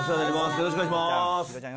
よろしくお願いします。